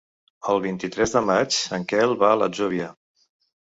El vint-i-tres de maig en Quel va a l'Atzúbia.